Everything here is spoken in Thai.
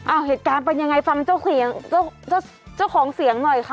อ้าวเหตุการณ์เป็นยังไงฟังเจ้าเขียงเจ้าเจ้าของเสียงหน่อยค่ะ